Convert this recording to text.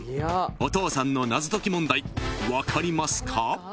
お父さんの謎解き問題分かりますか？］